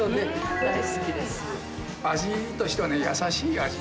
味としてはね、優しい味。